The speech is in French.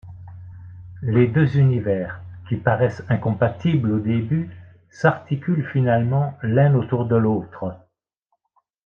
Les deux univers, qui paraissent incompatibles au début, s'articulent finalement l'un autour de l'autre.